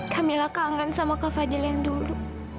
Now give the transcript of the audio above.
kami lakangankan sama kak fadil yang dulu